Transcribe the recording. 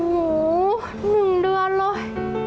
โหหนึ่งเดือนเลย